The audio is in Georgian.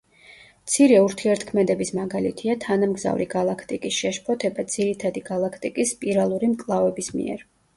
მცირე ურთიერთქმედების მაგალითია თანამგზავრი გალაქტიკის შეშფოთება ძირითადი გალაქტიკის სპირალური მკლავების მიერ.